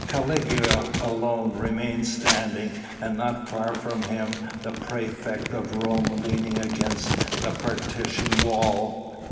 Caligula alone remained standing, and not far from him the praefect of Rome leaning against the partition wall.